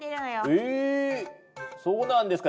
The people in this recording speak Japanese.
えそうなんですか？